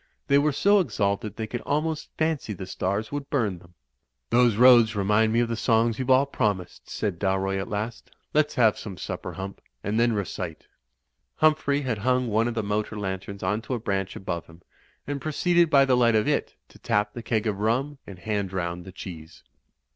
They were so exalted they could almost fancy the stars would bum them. ''Those roads remind me of the songs youVe all promised," said Dalroy at last. "Let's have some supper. Hump, and then recite." Humphrey had hung one of the motor lanterns onto a branch above him, and proceeded by the light of it to tap the keg of rum and hand round the cheese.